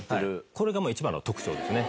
これが一番の特徴ですね。